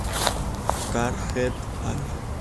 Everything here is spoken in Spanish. Carr "et al.